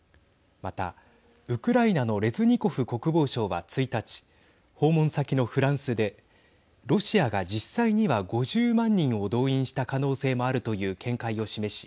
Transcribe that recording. また、ウクライナのレズニコフ国防相は１日訪問先のフランスでロシアが実際には５０万人を動員した可能性もあるという見解を示し